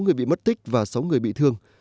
sáu người bị mất tích và sáu người bị thương